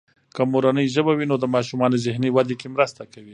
که مورنۍ ژبه وي، نو د ماشومانو ذهني ودې کې مرسته کوي.